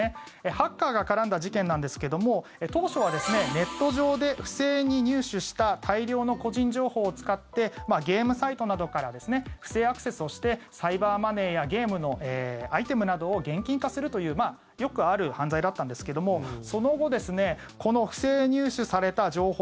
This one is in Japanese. ハッカーが絡んだ事件なんですけれども当初はネット上で不正に入手した大量の個人情報を使ってゲームサイトなどから不正アクセスをしてサイバーマネーやゲームのアイテムなどを現金化するというよくある犯罪だったんですけどもその後、この不正入手された情報